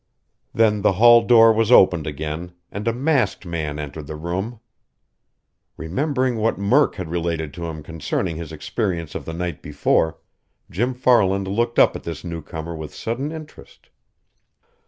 Then the hall door was opened again, and a masked man entered the room! Remembering what Murk had related to him concerning his experience of the night before, Jim Farland looked up at this newcomer with sudden interest.